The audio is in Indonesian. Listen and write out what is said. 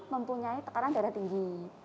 mempunyai tekanan darah tinggi